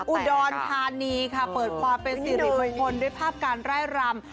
อุดอนทานีค่ะเปิดฝาเป็นสิริมหลวงคนด้วยภาพการไร่รำ